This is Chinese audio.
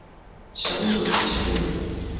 响应者四千余人。